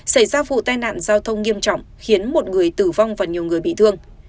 xảy ra vụ tai nạn giao thông nghiêm trọng khiến một người tử vong và nhiều người bị thương